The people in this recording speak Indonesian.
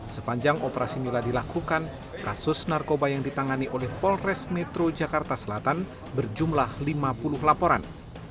sepanjang operasi mila dilakukan kasus narkoba yang ditangani oleh polres metro jakarta selatan berjumlah lima puluh laporan